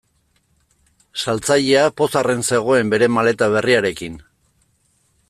Saltzailea pozarren zegoen bere maleta berriarekin.